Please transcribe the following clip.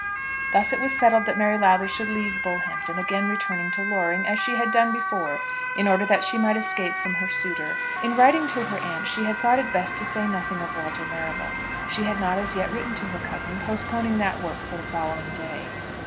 Thus it was settled that Mary Lowther should leave Bullhampton, again returning to Loring, as she had done before, in order that she might escape from her suitor. In writing to her aunt she had thought it best to say nothing of Walter Marrable. She had not as yet written to her cousin, postponing that work for the following day.